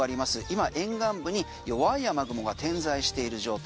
今、沿岸部に弱い雨雲が点在している状態。